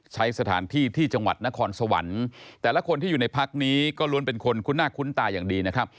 ใช้สถานที่ที่จังหวัดนครสวรรค์แต่ละคนที่อยู่ในพักนี้ก็ล้วนเป็นคนคุ้นหน้าคุ้นตาอย่างดีนะครับ